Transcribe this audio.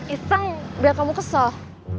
isang biar kamu kesel